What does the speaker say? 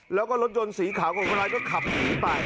แล้วก็รถยนต์สีขาวของคนร้ายก็ขับหนีไป